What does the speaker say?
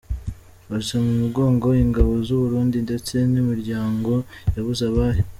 Mfashe mu mugongo ingabo z’u Burundi ndetse n’imiryango yabuze abayo.